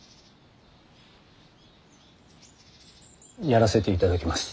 やらせていただきます。